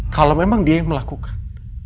kalau memang dia yang melakukan